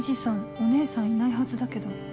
お姉さんいないはずだけど